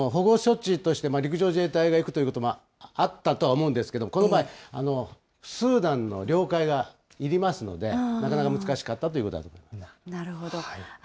保護処置として陸上自衛隊が行くということもあったとは思うんですけれども、この場合、スーダンのりょうかいがいりますので、なかなか難しかったということはなるほど。